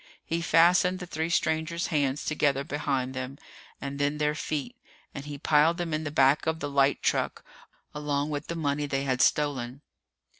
He fastened the three strangers' hands together behind them, and then their feet, and he piled them in the back of the light truck, along with the money they had stolen.